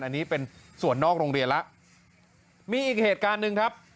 อันนี้เป็นส่วนนอกโรงเรียนแล้วมีอีกเหตุการณ์หนึ่งครับ